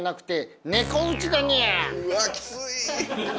うわぁきつい！